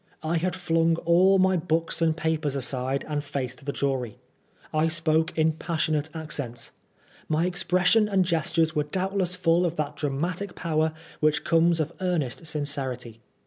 I had flung all my books and papers aside and faced the jury. I spoke in passionate accents. My expression and gestures were doubtless full of that dramatic power which comes of tamest sincerity.